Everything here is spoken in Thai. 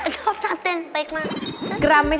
ใช่